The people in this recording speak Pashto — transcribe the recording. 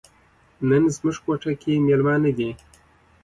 نن زموږ کوټه کې میلمانه دي.